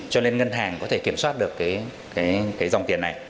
cho nên ngân hàng có thể kiểm soát được cái dòng tiền này